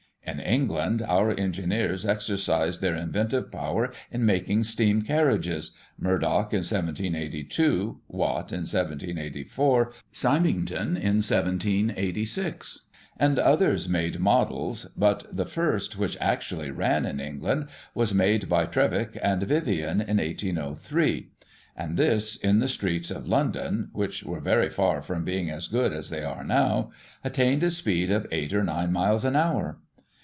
In England our engineers exercised their inven tive power in mating steam carriages — Murdock in 1782, Watt in 1784, Symington in 1786 — and others made models, but the first which actually ran in England was made by Trevithick and Vivian in 1803, and this, in the streets of London (which were very far from being as good as they are now), attained a speed of eight or nine miles an hour.